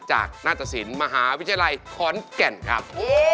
จากนาฏศิลป์มหาวิทยาลัยขอนแก่นครับ